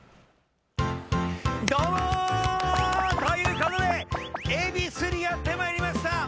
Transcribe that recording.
どうも！ということで恵比寿にやってまいりました！